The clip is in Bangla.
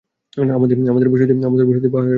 আমাদের বসতি পাহাড়ের ওপারেই।